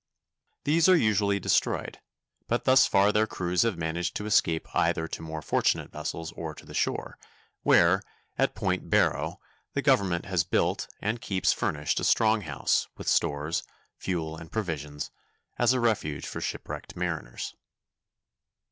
These are usually destroyed, but thus far their crews have managed to escape either to more fortunate vessels or to the shore, where, at Point Barrow, the government has built and keeps furnished a strong house, with stores, fuel, and provisions, as a refuge for shipwrecked mariners.